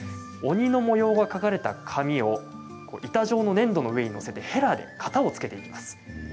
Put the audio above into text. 鬼の模様が描かれた紙を板状の粘土の上に載せてへらで型をつけていきます。